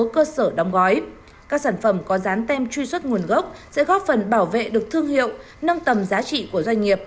các sản phẩm có dán tem truy xuất nguồn gốc sẽ góp phần bảo vệ được thương hiệu nâng tầm giá trị của doanh nghiệp